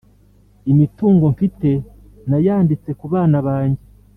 Imitungo mfite nayanditse kubana bange